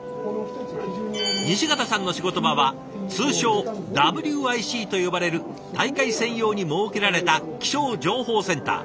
西潟さんの仕事場は通称「ＷＩＣ」と呼ばれる大会専用に設けられた気象情報センター。